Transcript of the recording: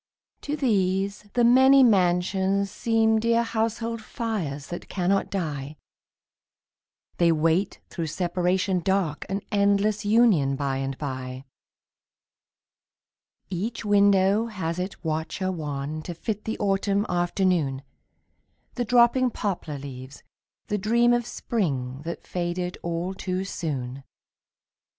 To these the many mansions seem Dear household fires that cannot die; They wait through separation dark An endless union by and by. Each window has its watcher wan To fit the autumn afternoon, The dropping poplar leaves, the dream Of spring that faded all too soon.